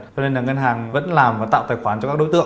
cho nên là ngân hàng vẫn làm và tạo tài khoản cho các đối tượng